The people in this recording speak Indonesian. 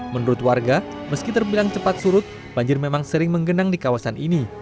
menurut warga meski terbilang cepat surut banjir memang sering menggenang di kawasan ini